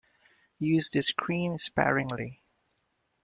Use this cream sparingly.